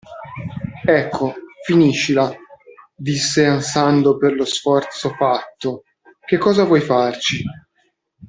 Ecco, finiscila, – disse ansando per lo sforzo fatto, – che cosa vuoi farci?